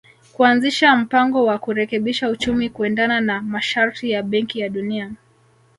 kuanzisha mpango wa kurekebisha uchumi kuendana na masharti ya Benki ya Dunia